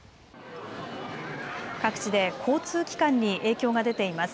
各地で交通機関に影響が出ています。